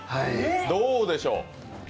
どうでしょうか？